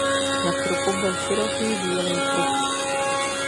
Na trupu byl široký bílý pruh.